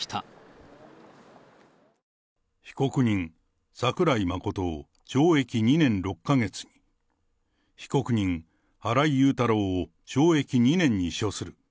被告人、桜井真を懲役２年６か月、被告人、新井雄太郎を懲役２年に処する。